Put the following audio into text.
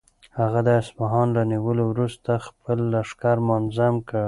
هغه د اصفهان له نیولو وروسته خپل لښکر منظم کړ.